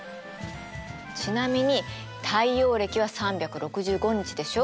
ちなみに太陽暦は３６５日でしょ。